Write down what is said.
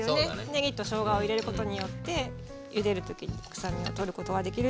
ねぎとしょうがを入れることによってゆでる時に臭みを取ることができるっていうのを。